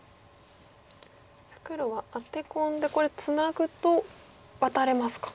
黒はアテ込んでこれツナぐとワタれますか。